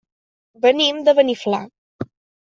Venim de Beniflà.